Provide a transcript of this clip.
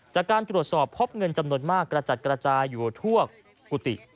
จากการตรวจสอบพบเงินจำนวนมากกระจัดกระจายอยู่ทั่วกุฏิ